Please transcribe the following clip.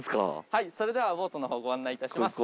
はいそれではボートのほうご案内いたします。